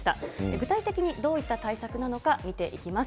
具体的にどういった対策なのか、見ていきます。